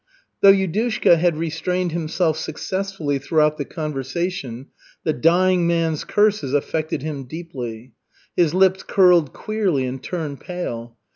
Though Yudushka had restrained himself successfully throughout the conversation, the dying man's curses affected him deeply. His lips curled queerly and turned pale.